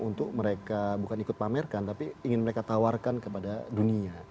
untuk mereka bukan ikut pamerkan tapi ingin mereka tawarkan kepada dunia